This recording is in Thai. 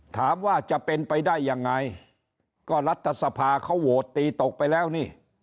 ถามว่าจะเป็นไปได้ยังไงก็รัฐสภาเขาโหวตตีตกไปแล้วนี่